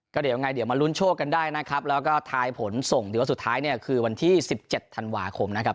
เดี๋ยวยังไงเดี๋ยวมาลุ้นโชคกันได้นะครับแล้วก็ทายผลส่งเดี๋ยวสุดท้ายเนี่ยคือวันที่๑๗ธันวาคมนะครับ